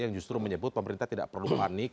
yang justru menyebut pemerintah tidak perlu panik